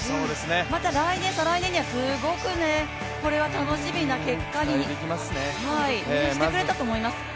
また来年、再来年にはすごくこれは楽しみな結果にしてくれたと思います。